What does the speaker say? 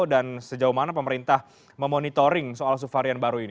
dan sejauh mana pemerintah memonitoring soal suvarian baru ini